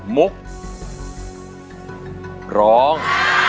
มุกร้อง